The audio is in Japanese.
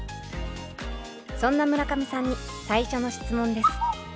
そんな村上さんに最初の質問です。